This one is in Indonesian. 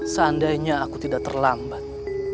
seandainya aku tidak terlambat